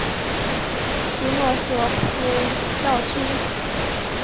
其诺索普校区。